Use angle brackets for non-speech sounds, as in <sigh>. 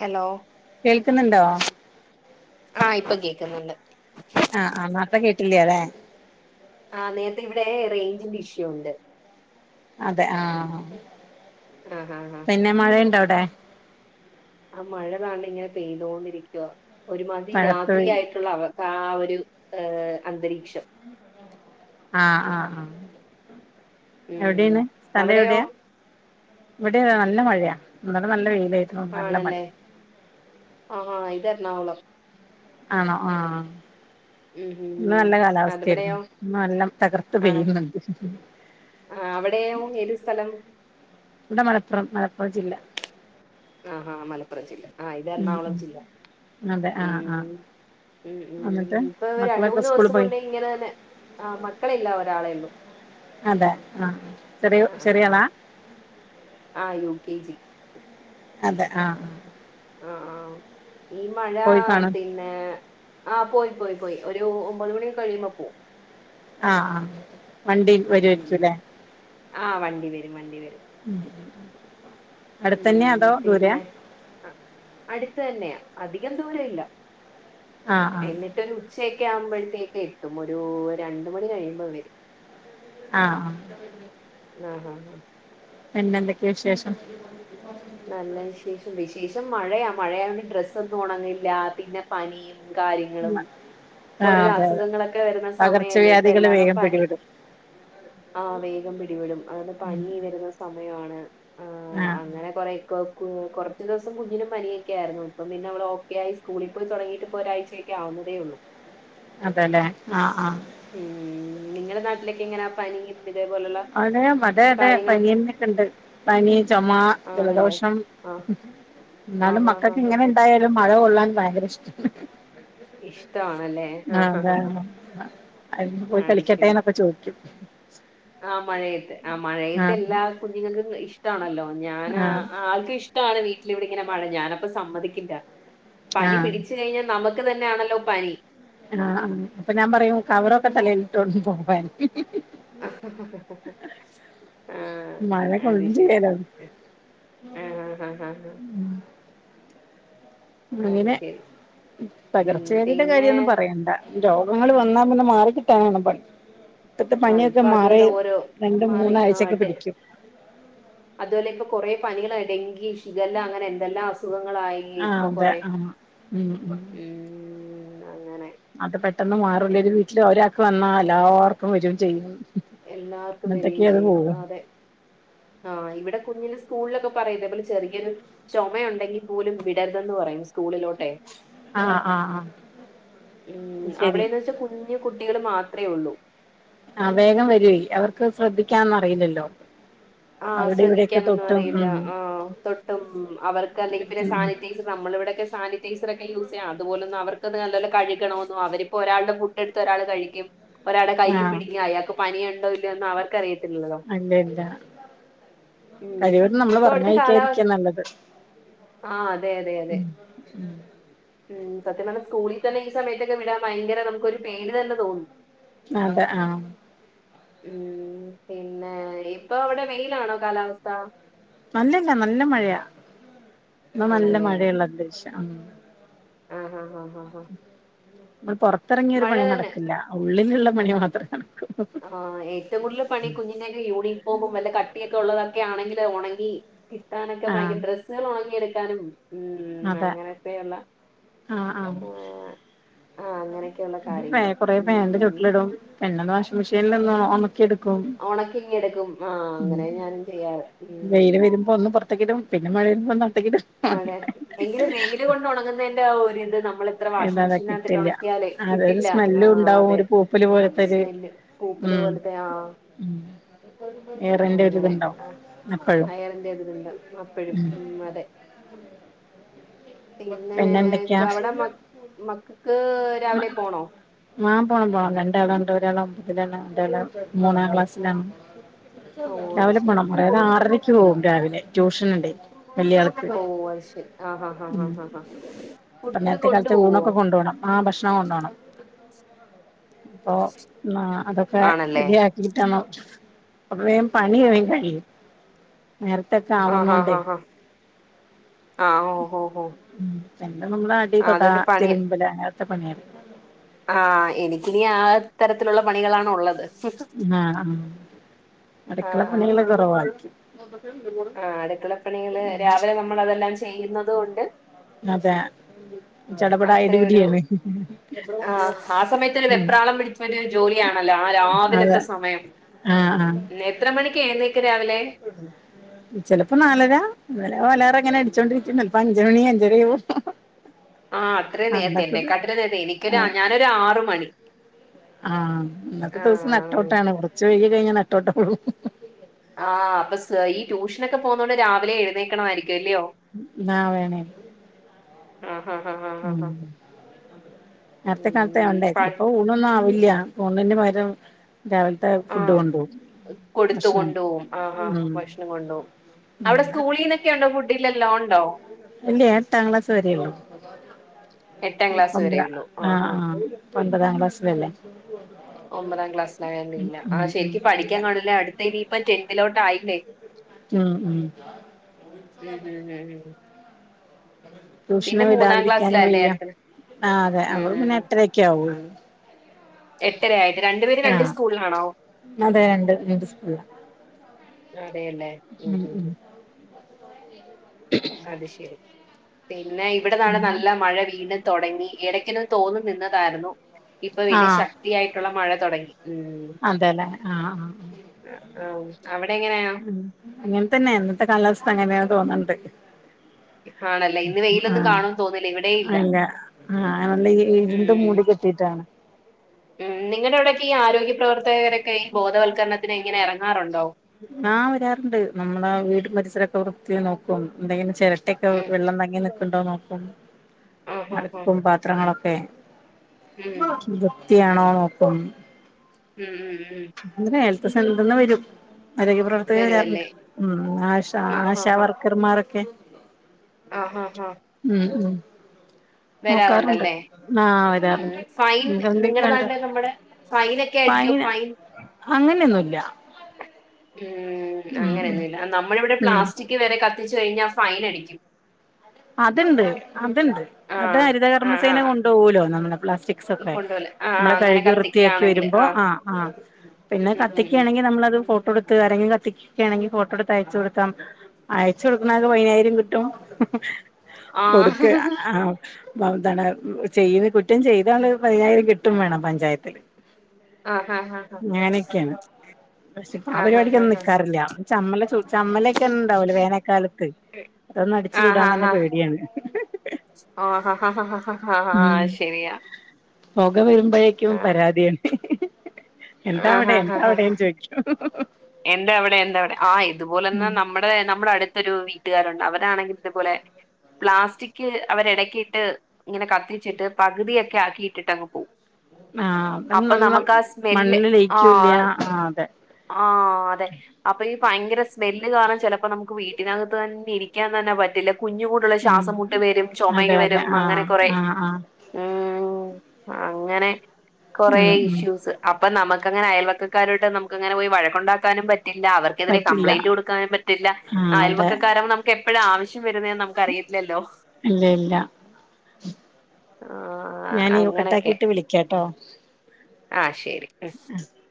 Hello കേൾക്കുന്നുണ്ടോ ആഹ് ഇപ്പൊ കേൾക്കുന്നുണ്ട്. ആ ആഹ് നേർത്ത കേട്ടില്ലലെ ആഹ് നേരത്തെ ഇവിടെ റേഞ്ചിന്റെ ഇഷ്യൂ ഉണ്ട്. അതെ ആഹ് ആഹ് ആഹ് ആഹ്. പിന്നെ മഴയുണ്ടോ അവിടെ? ആഹ് മഴതാണ്ട് ഇങ്ങനെ പെയ്തോണ്ടിരിക്കുവ. ഒരുമാതി മഴത്തുഴി രാത്രിയായിട്ടുള്ള അവ ആഹ് ഒരു ഏഹ് അന്തരീക്ഷം. ആഹ് ആഹ് ആഹ് ഉം എവ്ടേണ് സ്ഥലം അവിടെയോ എവിടെയാ? ഇവിടെ നല്ല മഴയാ, ഇന്നെലെ നല്ല വെയി ആണല്ലേ, ആഹ ഹാ, ഇത് എറണാകുളം. ആണോ? ആഹ് ഉം ഇന്ന് ഉം നല്ല കാലാവസ്ഥയായിരുന്നു. അതിവിടെയോ ഇന്ന് നല്ലം തകർത്ത് ആണ് പെയ്യുന്നുണ്ട്. ആഹ്, അവ്ടെയും ഏത് സ്ഥലം? ഇവ്ടെ മലപ്പുറം, മലപ്പുറം ജില്ല. ആഹ് ഹാ, മലപ്പുറം ജില്ല, ആഹ് ഇത് ഉം എറണാകുളം ഉം ജില്ല. അതെ ആഹ് ഉം. ആഹ് ഉം ഉം, എന്നിട്ട് ഇപ്പൊ രണ്ട് മക്കളൊക്കെ മൂന്ന് സ്കൂളിൽ ദിവസം പോയി കൊണ്ട് ഇങ്ങനെ തന്നെ, ആഹ് മക്കളില്ല ഒരാളേ ഉള്ളൂ. അതെ, ആഹ് ചെറിയു ആഹ് ആഹ് ചെറിയാളാ? ആഹ്, യൂ കെ ജി. അതെ, ആഹ് ആഹ് ആഹ്, ഈ മഴാ... പോയി കാണും പിന്നെ... ന്നെ ആഹ്, പോയി പോയി പോയി, ഒരു ഒമ്പത് മണി കഴിയുമ്പോ പോവും. ആഹ് വണ്ടി ഉംഹും ഹും, വരുവായിരിക്കുംല്ലേ ആഹ്, വണ്ടി വരും, വണ്ടി വരും. ഉം. ഉം, പിന്നെ അടുത്തെന്നെ, അധികം ദൂരല്ല. ആഹ് ആഹ് എന്നിട്ടൊരു ഉച്ചയൊക്കെ ആമ്പോഴ്ത്തേക്ക് എത്തും, ഒരു രണ്ട് മണി കഴിയുമ്പൊ വരും. ആഹ് ആഹാഹ പിന്നെ എന്തൊക്ക്യാ വിശേഷം.. നല്ല വിശേഷം വിശേഷം മഴയാ മഴയാമ്പം ഡ്രസ്സൊന്നും ഒണങ്ങില്ല പിന്നെ പനിയും... കാര്യങ്ങളും ആഹ് അതെ ഓരോരൊ അതെ അസുഖങ്ങളൊക്കെ വരുന്ന സമയല്ലേ പകർച്ചവ്യാധികള് ഇപ്പെല്ലാടം വേഗം പനി പിടിപെടും ആഹ് വേഗം പിടിപെടും അതത് പനി വരുന്ന സമയാണ് ആഹ് <unintelligible> കൊറച്ച് ദിവസം കുഞ്ഞിനും പനിയൊക്ക്യാരുന്നു ഇപ്പ പിന്നെ അവളോക്ക്യായി സ്കൂളി പോയി തൊടങ്ങീട്ട്പ്പോ ഒരാഴ്ചയായി ഒക്കെ ആവുന്നതേ ഉള്ളൂ അതെല്ലേ ആഹ് ആഹ് ഉം നിങ്ങളെ നാട്ടിലൊക്കെ എങ്ങനാ പനിയും ഇതേപോലൊള്ള അതെ അതെ അതെ പനീക്കെണ്ടു പനി ചൊമ ആണല്ലേ ജലദോഷം ആഹ് ഇന്നാലും ആഹ് ആഹ് മക്കൾക്ക് ആഹ് ഇങ്ങനെ ആഹ് ഇണ്ടായാലും മഴ കൊള്ളാൻ ഭയ്ങ്കര ഇഷ്ടാണ് ഇഷ്ടവാണല്ലെ ആഹ് അതണ് അതില്‌ പോയി അത് ശരി കളിക്കട്ടേന്നൊക്കെ ചോദിക്കും ആഹ് കുഞ്ഞുങ്ങക്ക് ഇഷ്ട്ടാണല്ലോ ഞാനാ ആഹ് ആ ആൾക്കും ഇഷ്ടിണ് വീട്ടിലിവിടെ ഇങ്ങനെ മഴ ഞ പ സമ്മതിക്കില്ല പനി ആഹ് പിടിച്ച് കഴിഞ്ഞാ നമ്മക്ക് തന്നാണല്ലോ പണി ആഹ് ആഹ് അപ്പൊ ഞാൻ പറയും കവറൊക്കെ തലേലുട്ടൊണ്ട് പോകാൻ ആഹ് മഴ അത് കൊള്ളും ശരി ചെയ്യാലോ ആഹ് ഹ ഹ ഹ അത് അങ്ങനെ ശരി ഉം പകർച്ച വ്യാധീടെ പിന്നെ കാര്യൊന്നും പറയണ്ട രോഗങ്ങള് വന്നാ പിന്നെ മാറിക്കിട്ടാനാണ് പണി.. ഇപ്പത്തെ ആഹ് പന്യക്കെ ഇപ്പൊ മാറി അതുവല്ല ഓരോ രണ്ടു മാറി മൂന്ന് ആഴ്ചെക്കെ പിടിക്കും അതുഅല്ല ഇപ്പൊ കാെറെ പനികളാ ഡെങ്കി ഷിഗല്ല അങ്ങനെ എന്തെല്ലാം അസുഖങ്ങളായി ആഹ് ഇപ്പൊ അതെ കൊറേ ആഹ് ഉം ഉം അങ്ങനെ അത് പെട്ടെന്ന് മാറുല്ലല് ഒരു വീട്ടില് ഒരാക്ക് വന്നാ എല്ലാർക്കും വരും ചെയ്യും എല്ലാവർക്കും എന്നിട്ടൊക്കെ വരികയും അത് ചെയ്യും പോവും ആതെ <inaudible> ആഹ് ഇവിടെ കുഞ്ഞിന് സ്കൂൾലൊക്കെ പറയ്യില്ലെ ഇതേപോലെ ചെറിയൊരു ചൊമയുണ്ടെങ്കി പോലും വിടരുതെന്ന് പറയും സ്കൂളിലോ ട്ടെ ആഹ് ആഹ് ആഹ് ശരി അവടെന്ന് വെച്ച കുഞ്ഞ് ഞ്കുട്ടികള് മാത്രേ ഒള്ളൂ ആഹ് വേഗം വരോയ് അവർക്ക് ശ്രദ്ധിക്കാൻന്നും അറിയില്ലല്ലോ ആഹ് ശ്രദ്ധിക്കാനൊന്നും അറിയില്ല ഉം ആഹ് തൊട്ടും അവർക്ക് അല്ലെങ്കിപിന്നെ ഉം സാനിറ്റൈ ക്ക് നമ്മള ഇവിയെക്ക സാനിറ്റൈസറെക്കെ യൂസയ്യാ അതുപോലൊന്നും അവർക്കത് നല്ലോലെ കഴുകണോന്നോ അവരിപ്പോ ഒരാള്ടെ ഫു എട്ത്ത് ഒരാള് കഴിക്കും ഒരാളെ കയ്യീ ആഹ് പിടിക്കാ അയാക്ക് പനിയുണ്ടോ ഇല്ലോന്ന് അവർക്കറിയത്തില്ലല്ലോ അല്ലല്ല ഉം കഴിവെന്നും നമ്മള് ഇപ്പൊ അവിടുത്തെ പറഞ്ഞഴിക്കാതിക്കാ കാലാവസ്ഥ നല്ലത് ആഹ് അതെ അതെ അതെ ഉം ഉം സത്യം പർഞ്ഞാ സ്കൂളിൽ തന്നെ ഈ സമയത്തെക്കെ വിടാൻ ഭയങ്കര നമുക്ക് ഒരു പേടിതന്നെ തോന്നും അതെ ആഹ് ഉം പിന്നെ ഇപ്പൊ അവടെ വെയിലാണോ കാലാവസ്ഥ അല്ലല്ല നല്ല മഴയാ ഇന്ന് നല്ല ആണല്ലേ മഴയുള്ള അന്തരീക്ഷാ ആഹ് ആഹ് ആഹ് ആഹ് മ്മള് പാെറത്തെഎറങ്ങിയാ ഒരു മഴ പണീം തന്നെ നടക്കില്ല ഉള്ളില്ള്ള പണി മാത്രേ നടക്ക് ആഹ് ഏറ്റവും കൂടുതല് പണി കുഞ്ഞ്ങ്ങൾടെ യൂണിഫോമും വല്ല കട്ടിയൊക്കെ ഉള്ളതൊക്കെ ആണെങ്കില് ഒണങ്ങി കിട്ടാനൊക്കെ ആഹ് ഭയങ്കര ഡ്രസ്സാള് ഒണങ്ങിയെടുക്കാനും ഉം അതെ അങ്ങനെക്കെയുള്ള ആഹ് ആഹ് ഓഹ് ആഹ് അങ്ങനെയൊക്കെ ഫാൻ കൊറേ ഫാൻന്റെ ചോട്ടിലിടും പിന്നെ വാഷിങ് മെഷീനില് ഒന്ന് ഒണക്കിയെടുക്കും ഒണക്കി ഇങ്ങെടുക്കും ആഹ് അങ്ങനേ ഞാനും ചെയ്യാറ് ഉം വെയില് വരുമ്പോ ഒന്ന് പാെറത്തേക്കിടും പിന്നെ മഴവരുമ്പം ഒന്ന് അകത്തേക്കിടും മഴേ എങ്കിലും വെയില് കൊണ്ട് ഒണങ്ങുന്നേന്റെ ആ ഒരിത് നമ്മള് എത്ര വാഷിംഗ് എന്താ മെഷീനകത്തിട്ട് കിട്ടില്ല ഒണക്കിയാലെ അതൊരു കിട്ടില്ല സ്മെല്ലും ആഹ് ഉണ്ടാവും അതെ ഒരു പൂപ്പല് പോലത്തൊരു സ്മെല്ല് പൂപ്പല് ഉം പോലത്തെ ആഹ് <inaudible> ഏറിന്റെ അങ്ങനെ ഒരിതുണ്ടാവും ആഹ് എപ്പഴും അയറിന്റെ അതില്ണ്ട് അപ്പഴും ഉം അതെ പിന്നേ പിന്നെ എന്തൊക്കെയാ ക്ക് അവിടെ മ്മ മക്കക്ക് രാവിലെ പോണോ ആഹ് പോണം പോണം രണ്ടാളെണ്ട് ഒരാളൊമ്പതിലാണ് രണ്ടാമത്തെ ആള് മൂന്നാം ക്ലാസ്സിലാണ് ഓ അത് രാവിലെ ശെരി പോണം മൊറേന്നാ ആഹാ ആറരക്ക് പോവും രാവിലെ ട്യൂഷന് ഇണ്ടെ വല്യാൾ ഓ അത് ശരി ആഹാ ഹാ ഹാ ഉം ഹാ ഹാ ഇപ്പ ഫുഡൊക്കെ നേര്ത്തെ കൊണ്ടു കാൽത്തെ പോവോ ഊണൊക്കെ കൊണ്ടാേണം ആഹ് ഭക്ഷണം കൊണ്ടോണം അപ്പോ നാ അതൊക്കെ ആണല്ലേ റെഡി ആക് ക്കീട്ടാണം അപ്പൊ വേം പണി വേം കഴിയും നേർത്തൊക്കെ ആഹാ ആവുന്നോണ്ടെ ഹാ ഹാ ആ ഓ ഹോ ഹോ പിന്നെ നമ്മള് അടി ആ തൊട അതുകൊണ്ട് തിര്മ്പല് അങ്ങൻത്തെ പണ്യാള് ആഹ് എനിക്കിനീ ആ തരത്തിലുള്ള പണികളാണ് ഉള്ളത് ആഹ് ആ അടുക്കള പണികള് കാെറവായിരിക്കും ആഹ് അടുക്കളപ്പണികള് രാവിലെ നമ്മള് അതെല്ലാം ചെയ്യുന്നത് കൊണ്ട് അതെ ചട പടാ അത്രയൊരു എടുപടിയാണ്. എത്ര ആ കുട്ടികള്. ആ സമയത്ത് ഒരു വെപ്രാളം പിടിച്ച ഒരു ജോലിയാണല്ലോ ആ അതെ രാവിലത്തെ സമയം ആഹ് ആഹ് എത്ര മണിക്കെഴുന്നേക്കും രാവിലെ. ഉം ചിലപ്പം നാലര. അന്നേരം അലാറം ഇ ങ്ങനെ അടിച്ചോണ്ടിരിക്കും. ചിലപ്പോ അഞ്ചുമണി അഞ്ചര യോ. ആഹ് അത്രയും നേരത്തെ എഴുന്നേക്കും. അത്രയും നേരത്തെ എനിക്കൊരു ആഹ് ഞാനൊരു ആറുമണി. ആഹ്. ഇന്നത്തെ ദിവസം ആഹ് നട്ടോട്ടാണ്. കുറച്ച് വയ്കി കഴിഞ്ഞ നട്ടോട്ടം ഓടും. ആഹ് അപ്പൊ സ ഈ ട്യൂഷനൊക്കെ പോകുന്നതോണ്ട് രാവിലെ എഴുന്നേക്കണയിരിക്കും. അല്ലയോ. നാ വേണേ. ആഹ് ആഹ് ആഹ് ആഹ് ഉം ആഹ് നേരത്തെ കാലത്ത ഉം ആവണ്ടേ. പ ചെലപ്പോ ഊണൊന്നും ആവുല്യാ. ഊണിന്നു പകരം രാവിലത്തെ ഫുഡ് ആഹ് കൊണ്ടു പോകും. കൊടുത്തു ഭക്ഷണം കൊണ്ടുപോകും ആഹ് ആഹ് ഉം ഭക്ഷണം കൊണ്ടുപോകും ഉം അവിടെ സ്കൂളീ ന്നൊക്കെ ഒണ്ടോ ഫുഡില്ലല്ലോ. ഉണ്ടോ? ഇല്യ. എട്ടാം ക്ലാസ് വരെയുള്ളൂ. എട്ടാം ക്ലാസ് ഒമ്പതാ വരെയുള്ളൂ ആഹ് ആഹ് ഒൻപതാം ക്ലാസ്സിലല്ലേ. ഒൻപതാം ഉം ക്ലാസ്സിലായോണ്ടില്ല. ആഹ് ഉം ശരിക്കും ഉം പഠിക്കാൻ കാണില്ലോ. അടുത്ത ഇനി ഇപ്പ ടെന്തിലോട്ട് ആയില്ലേ. ഉം ഉം ഉം ഉം ഉം ഉം ട്യൂഷന പിന്നെ മൂന്നാം വിടാതിരിക്കാനും ക്ലാസ്സിലല്ലേ വെയ്യ. അടുത്തത് ആഹ് അതെ. ഉം അവള് ഉം പിന്നെ ഉം. എട്ടരൊക്കെ ആവോളു. എട്ടര ആയിട്ട്. രണ്ടു പേര് രണ്ട് ആഹ് സ്കൂളിലാണോ? അതെ രണ്ട് രണ്ട് സ്കൂളില ഉം അതെയല്ലേ. ഉം ഉം അത് ശരി പിന്നെ ഇവിടെ താടെ എന്നാ നല്ല മഴ വീണ്ടും തുടങ്ങി. ഇടയ്ക്കിനും തോർന്നു നിന്നതായിരുന്നു. ഇപ്പൊവീണ്ടു ആഹ് ശക്തിയായിട്ടുള്ള മഴ തുടങ്ങി. ഉം അതെല്ലേ ആഹ് ആഹ് ഹ് ആഹ് അവിടെ ങ്ങനെ? അങ്ങൻ തന്നെ. ഇന്നത്തെ കാലാവസ്ഥ അങ്ങനെയാണ് തോന്നണ്ട്. ആണല്ലേ ഇന്ന് വെയിലൊന്നും ആഹ് കാണുംന്ന് തോന്നില്ല ഇവിടെ ഇല്ല അല്ല. ആഹ് അല്ല. ഇരുണ്ടു ഉം മൂടി ക്കെട്ടി ഡീട്ടാണ്. ഉം നിങ്ങളുടെ അവിടെയൊക്കെ ആരോഗ്യ പ്രവർത്തകരൊക്കെ ഈ ബോധവത്കരണത്തിനു ഇങ്ങനെ ഇറങ്ങാറുണ്ടോ? ആഹ് വരാറുണ്ട്. നമ്മളെ വീടും പ രിസരൊക്കെ വൃത്തിനോക്കും. എന്തെങ്കിലും ചെര ട്ടെക്കെ ഉം വെള്ളം തങ്ങി നിക്കുന്നുണ്ടോ നോക്കും. ആഹ് ആഹ് ആഹ് അടപ്പും പാത്രങ്ങളൊക്കെ. ഉം വൃതിയാണോ നോക്കും. ഉം ഉം ഉം അതെന്നെ ഹെൽത്ത് സെന്റർ ന്ന് വരും. ആരോഗ്യപ്രവർത്തക വരാറുണ്ട്. വരുവല്ലേ ഉം ആശ ആഹ് ആശ ആഹ് ക്കർ മാരൊക്കെ. ആഹ് ആഹ് ആഹ് ഉം ഉം നോക്കാറുണ്ട് വരാറുണ്ടല്ലേ. ആഹ് ഉം വരാറുണ്ട് ഫൈൻ നിങ്ങളുടെ എന്തൊക്കെയുണ്ട് നാട്ടിലൊക്കെ വടെ ഫൈൻ ഒക്കെ അടക്കോ? Fine fine. അങ്ങനെയൊന്നുല്ല. ഉം ഉം ഉം അങ്ങനൊന്നുല്ല. നമ്മളിവിടെ ഉം പ്ലാസ്റ്റിക് വരെ കത്തിച്ച് കഴിഞ്ഞാൽ ഫൈൻ അടിക്കും. അത്ണ്ട്. അത്ണ്ട്. അത് ആഹ് ആഹ് ഹരിതകർമ്മസേന ആഹ് കൊണ്ടുപോകലോ നമ്മുടെ പ്ലാസ്റ്റിക്സ്ക്കെ. കൊണ്ടുപോവൂല ആഹ് ആഹ് നമ്മളെ അങ്ങനെ കഴുകി വൃത്തിയാക്കി കത്തിക്കാണെങ്കില് വരുമ്പോ ആഹ് ആഹ്. പിന്നെ ഉം ഉം ഉം കത്തിയ്ക്കയാണെങ്കി നമ്മളത് ഫോട്ടോ എടു ആരെങ്കി കത്തിക്കൊക്കെ ആണെങ്കി ഫോട്ടോ എടു തയച്ച കൊടുതാ അയച്കൊടുക്കണ ആൾക്ക് പതിനായിരം കിട്ടും. കൊടുക്ക ആഹ് ആഹ് അപ്പ എന്താണ് ചെയ്ത് കുറ്റം ചെയ്ത ആള് പതിനായിരം കേട്ടും വേണം പഞ്ചായത്തില്. ആഹ് ഞാനൊക്കെയാണ്. പക്ഷെ ആഹ് പരിപാടിക്കൊന്നും നിക്കാറില്ല. ചമ്മല ച ചമ്മലൊക്കെ ഒന്നെണ്ടാവല വേനൽക്കാലത്ത് അതൊന്ന് അടിച്ചു ചൂടാൻ തന്നെ പേടിയാണ് ഓ അഹ് ശരിയാ പുക വരുമ്പോഴേക്കും പരാതിയാണ് എന്താവിടെ എന്താവിടെന്ന് ചോദിക്ക <unintelligible> എന്താ അവിടെ എന്താവിടെ ആഹ് ഇതുപോലെന്നെ നമ്മ ടെ നമ്മുടെ അടുത്തൊരു വീട്ടുകാരുണ്ട് അവരാണെങ്കിൽ ഇതുപോലെ പ്ലാസ്റ്റിക് അവരി ഇടക്കിയിട്ട് ഇങ്ങനെ കത്തിരിച്ചിട്ട് പകുതിയക്കെ ആക്കിയിട്ടിട്ട് അങ്ങ് പോകും ആഹ് അപ്പ അപ്പൊ നമ്മള നമുക്ക് ആ സ്മെല്ല് മണ്ണില് ലയിക്കൂല്ല ആഹ് ആഹ് അതെ ആഹ് അതെ അപ്പൊ ഈ ഭയങ്കര സ്മെല്ല് കാരണം ചെലപ്പോ നമുക്ക് വീട്ടിനകത്ത് തന്നെ ഇരിക്കാൻ തന്നെ പറ്റില്ല കുഞ്ഞു കൂ ഉം ശ്വാസംമുട്ട് വരും ചുമ അതെ അതെ വരും അങ്ങനെ ആഹ് കുറെ ആഹ് ആഹ് ഉം അങ്ങനെ കൊറെ ഉം ഉം ഇഷ്യൂസ് അപ്പൊ നമുക്കങ്ങെ അയൽവക്കാരുട്ട് നമുക്ക്ങ്ങനെ പോയി വഴക്കുണ്ടാക്കാനും പറ്റും റ്റില്ല അവർക്കെതിരെ പറ്റില്ല കംപ്ലയിന്റ് കൊടുക്കാൻ പറ്റില്ല ആഹ് അതെ അയൽവക്കാരൻ നമ എപ്പോഴാണ് ആവശ്യം വരുന്നതന്ന് നമുക്ക് അറിയില്ലോ ഇല്ല ഇല്ല ആഹ് ഞന് അങ്ങനൊക്കെ കട്ടാക്കിട്ട് വിളിക്കട്ടോ ആഹ് ശരി ഉം